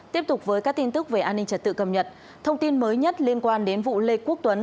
tiếp tục với các tin tức về an ninh trật tự cầm nhật thông tin mới nhất liên quan đến vụ lê quốc tuấn